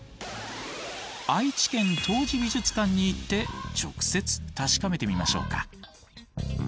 愛知県陶磁美術館に行って直接確かめてみましょうか。